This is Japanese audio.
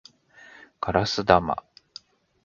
ガラス玉